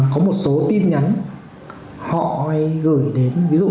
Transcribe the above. có một số tin nhắn họ gửi đến ví dụ như là của các nhà mạng viettel